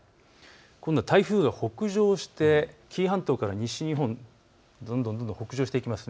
今度は台風が北上して紀伊半島から西日本、どんどん北上していきます。